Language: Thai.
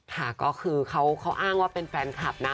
ค่ะก็คือเขาอ้างว่าเป็นแฟนคลับนะ